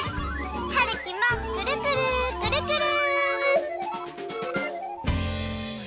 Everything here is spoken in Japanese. はるきもくるくるくるくる。